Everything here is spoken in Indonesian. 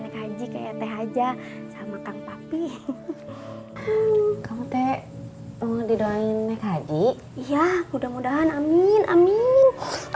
kaji kayak teh aja sama kang papi kamu teh mau didoain mekaji ya mudah mudahan amin amin